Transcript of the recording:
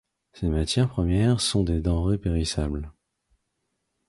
Ces matières premières sont des denrées périssables.